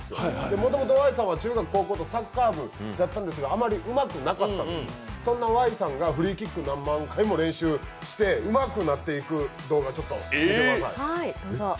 もともとＹさんは中学・高校とサッカー部だったんですが、あまりうまくなくて、そんなＹさんがフリーキック何万回も練習してうまくなっていく動画ちょっと見てください。